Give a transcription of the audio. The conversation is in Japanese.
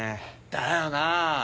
だよな？